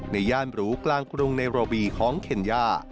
ย่านหรูกลางกรุงเนโรวีของเคนย่า